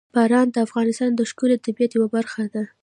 باران د افغانستان د ښکلي طبیعت یوه برخه ده.